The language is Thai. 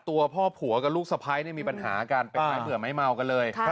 ตัวพ่อผัวกับลูกสะพ้ายเนี่ยมีปัญหาการเป็นข่ายเผื่อไม้เมาเลย